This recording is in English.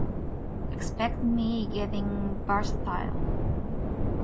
Expect me getting versatile.